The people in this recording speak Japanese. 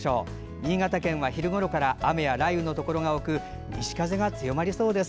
新潟県は昼ごろから雨や雷雨のところが多く西風が強まりそうです。